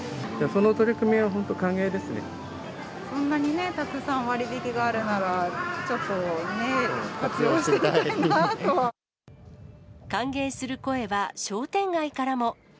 そんなにたくさん割引があるなら、ちょっとね、歓迎する声は、商店街からも。